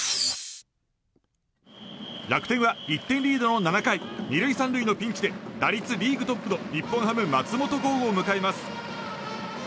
楽天は１点リードの７回２塁３塁のピンチで打率リーグトップの日本ハム松本剛を迎えます。